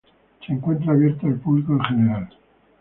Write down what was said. Se encuentra abierto al público en general.